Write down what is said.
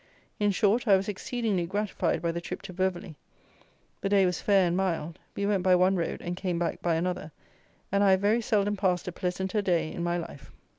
In short, I was exceedingly gratified by the trip to Beverley: the day was fair and mild; we went by one road and came back by another, and I have very seldom passed a pleasanter day in my life.